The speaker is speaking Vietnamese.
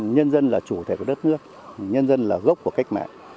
nhân dân là chủ thể của đất nước nhân dân là gốc của cách mạng